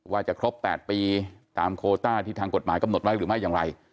ว่าจะครบ๘ปีตามโคต้าที่ทางกฎหมายกำหนดไว้หรือไม่อย่างไร